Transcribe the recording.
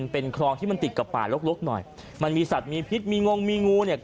เป็นคลองที่มันติดกับป่าลกหน่อยมันมีสัตว์มีพิษมีงงมีงูเนี่ย